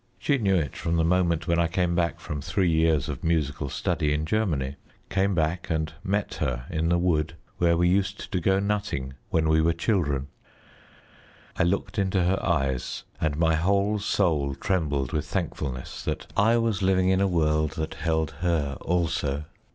She knew it from the moment when I came back from three years of musical study in Germany came back and met her in the wood where we used to go nutting when we were children. I looked into her eyes, and my whole soul trembled with thankfulness that I was living in a world that held her also.